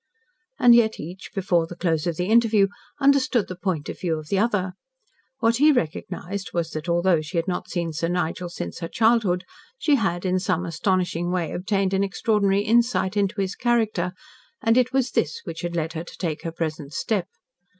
And yet each, before the close of the interview, understood the point of view of the other. What he recognised was that, though she had not seen Sir Nigel since her childhood, she had in some astonishing way obtained an extraordinary insight into his character, and it was this which had led her to take her present step.